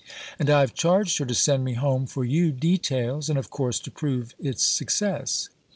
And I have charged her to send me home (for you) details and of course to prove its success.